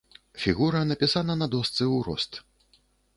Фігура напісана на дошцы ў рост.